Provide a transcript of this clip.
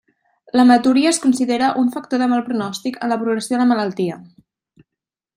L'hematúria es considera un factor de mal pronòstic en la progressió de la malaltia.